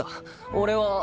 俺は。